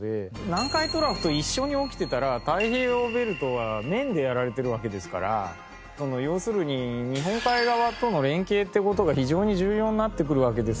南海トラフと一緒に起きてたら太平洋ベルトが面でやられてるわけですから要するに日本海側との連携って事が非常に重要になってくるわけです